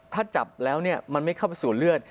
ถ้าจับแล้วมันไม่เข้าไปสู่เลือด